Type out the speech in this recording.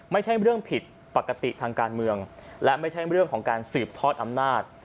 ไม่ใช่เรื่องผิดปกติทางการเมืองและไม่ใช่เรื่องของการสืบทอดอำนาจ